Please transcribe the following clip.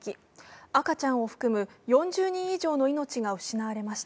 赤ちゃんを含む４０人以上の命が失われました。